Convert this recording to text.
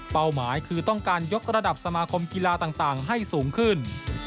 หมายคือต้องการยกระดับสมาคมกีฬาต่างให้สูงขึ้น